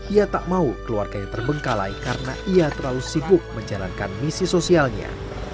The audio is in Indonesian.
ia tak mau keluarganya terbengkalai karena ia terlalu sibuk menjalankan misi sosialnya